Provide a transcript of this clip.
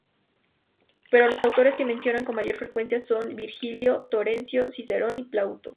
Pero los autores que menciona con mayor frecuencia son Virgilio, Terencio, Cicerón y Plauto.